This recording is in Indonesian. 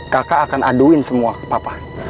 kakak akan aduin semua ke papa